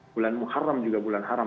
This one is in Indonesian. bulan muharam juga bulan haram